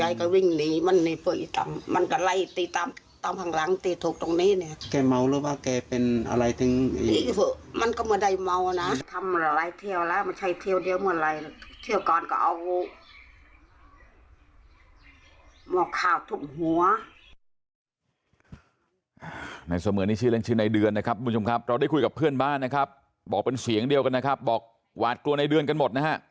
ยายก็วิ่งหนีมันหนีเพิ่งลดตาม